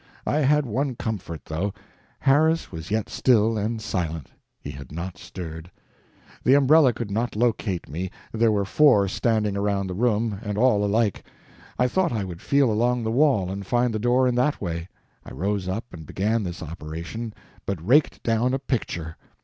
I had one comfort, though Harris was yet still and silent he had not stirred. The umbrella could not locate me there were four standing around the room, and all alike. I thought I would feel along the wall and find the door in that way. I rose up and began this operation, but raked down a picture.